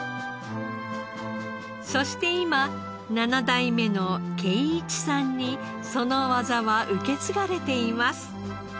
そして今７代目の慧一さんにその技は受け継がれています。